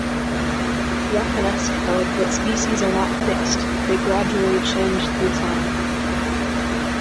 Rafinesque held that species are not fixed, they gradually change through time.